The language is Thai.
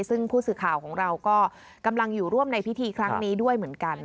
ซึ่งผู้สื่อข่าวของเราก็กำลังอยู่ร่วมในพิธีครั้งนี้ด้วยเหมือนกัน